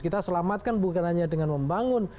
kita selamatkan bukan hanya dengan membangun